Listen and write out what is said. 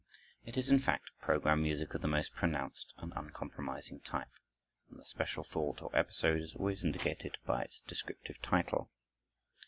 It is, in fact, program music of the most pronounced and uncompromising type, and the special thought or episode is always indicated by its descriptive title.